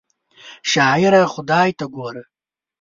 شاعره خدای ته ګوره!